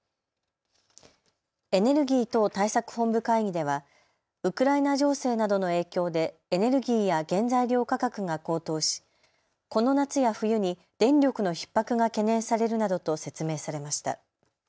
エネルギー等対策本部会議ではウクライナ情勢などの影響でエネルギーや原材料価格が高騰しこの夏や冬に電力のひっ迫が懸念されるなどと説明されました。